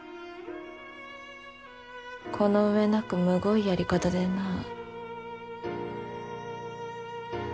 この上なくむごいやり方でなあ。